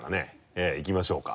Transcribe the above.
えぇいきましょうか。